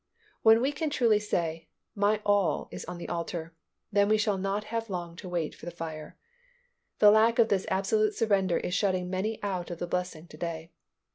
When we can truly say, "My all is on the altar," then we shall not have long to wait for the fire. The lack of this absolute surrender is shutting many out of the blessing to day.